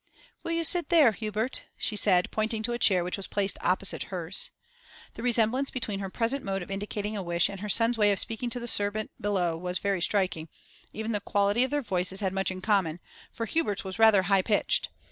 'Will you sit there, Hubert?' she said, pointing to a chair which was placed opposite hers. The resemblance between her present mode of indicating a wish and her son's way of speaking to the servant below was very striking; even the quality of their voices had much in common, for Hubert's was rather high pitched.